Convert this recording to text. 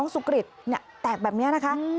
สุกริตแตกแบบนี้นะคะ